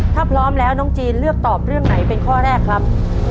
ถ้าพร้อมแล้วน้องจีนเลือกตอบเรื่องไหนเป็นข้อแรกครับ